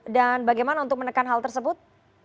dan bagaimana untuk menekan hal tersebut